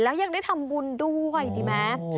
และยังได้ทำบุญด้วยดิแม็กซ์